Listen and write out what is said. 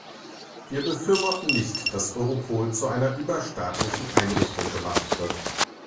Wir befürworten nicht, dass Europol zu einer überstaatlichen Einrichtung gemacht wird.